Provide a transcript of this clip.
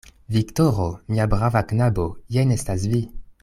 Viktoro! mia brava knabo, jen estas vi!